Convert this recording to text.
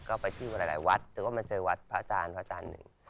ก็ไปเที่ยวหลายวัดแต่ว่ามาเจอวัดพระอาจารย์พระอาจารย์หนึ่ง